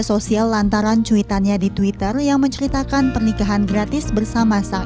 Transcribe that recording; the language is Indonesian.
sosial lantaran cuitannya di twitter yang menceritakan pernikahan gratis bersama sang